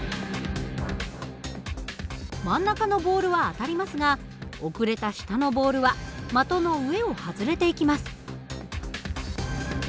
真ん中のボールは当たりますが遅れた下のボールは的の上を外れていきます。